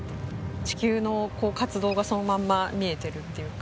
地球の活動がそのまんま見えているっていうか。